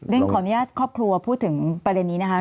ขออนุญาตครอบครัวพูดถึงประเด็นนี้นะคะ